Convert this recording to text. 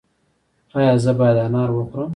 ایا زه باید انار وخورم؟